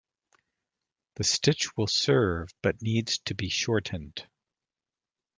The stitch will serve but needs to be shortened.